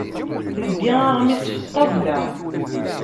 Teldi aɣmis ɣef ṭṭabla.